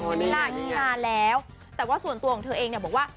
น่าแล้วแต่ว่าส่วนตัวของเธอเองบอกว่า